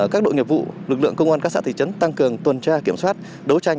các đội nghiệp vụ lực lượng công an các xã thị trấn tăng cường tuần tra kiểm soát đấu tranh